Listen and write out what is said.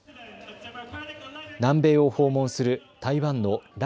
南米を訪問する台湾の頼